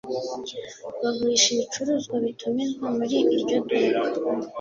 Bagurisha ibicuruzwa bitumizwa muri iryo duka